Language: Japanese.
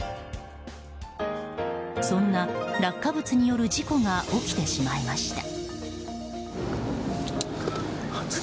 そんな落下物による事故が起きてしまいました。